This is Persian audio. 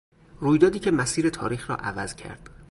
رویدادی که مسیر تاریخ را عوض کرد